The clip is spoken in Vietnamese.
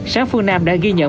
sáng phương nam đã ghi nhận